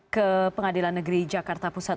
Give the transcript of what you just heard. ke pengadilan negeri jakarta pusat